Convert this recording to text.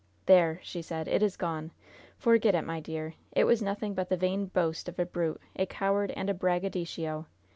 "There!" she said. "It is gone. Forget it, my dear. It was nothing but the vain boast of a brute, a coward and a braggadocio!